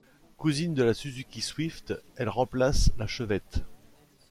Cousine de la Suzuki Swift, elle remplace la Chevette.